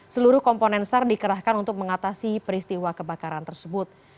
seluruh komponen sar dikerahkan untuk mengatasi peristiwa kebakaran tersebut